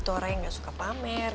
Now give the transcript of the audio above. di toren gak suka pamer